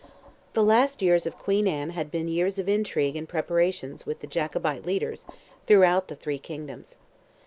The last years of Queen Anne had been years of intrigue and preparation with the Jacobite leaders throughout the three kingdoms.